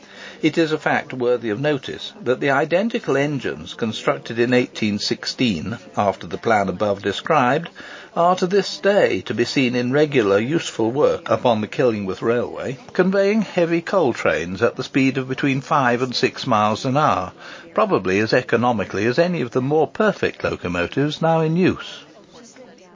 It is a fact worthy of notice, that the identical engines constructed in 1816 after the plan above described are to this day to be seen in regular useful work upon the Killingworth Railway, conveying heavy coal trains at the speed of between five and six miles an hour, probably as economically as any of the more perfect locomotives now in use.